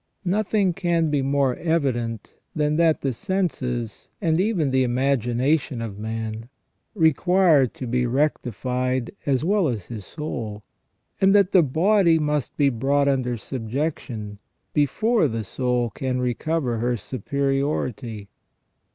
Nothing can be more evident than that the senses and even the imagination of man required to be rectified as well as his soul, and that the body must be brought under subjection before the soul can recover her superiority.